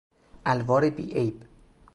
الوار بی عیب